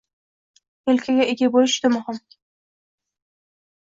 Yelkaga ega bo'lish juda muhim